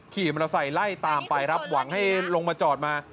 ขี่มอเตอร์ไซค์ไล่ตามไปครับหวังให้ลงมาจอดมา